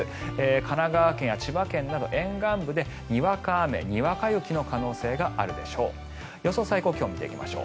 神奈川県や千葉県など沿岸部でにわか雨、にわか雪の可能性があるでしょう。